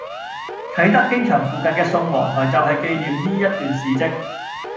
啟德機場附近嘅宋王臺就係紀念呢一段事跡